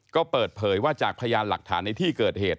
ก็เปิดเผยว่าจากพยานหลักฐานในที่เกิดเหตุ